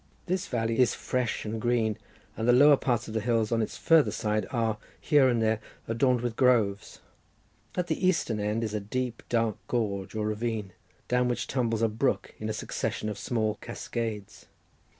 This valley is fresh and green, and the lower parts of the hills on its farther side are, here and there, adorned with groves. At the eastern end is a deep, dark gorge, or ravine, down which tumbles a brook in a succession of small cascades.